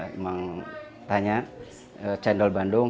memang tanya cendol bandung